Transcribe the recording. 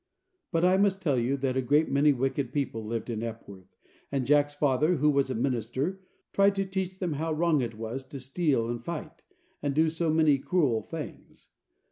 But I must tell you that a great many wicked people lived at Epworth, and Jack's father, who was a minister, tried to teach them how wrong it was to steal and fight, and do so many cruel things.